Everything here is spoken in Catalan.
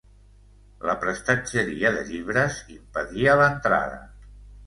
La prestatgeria de llibres impedia l’entrada.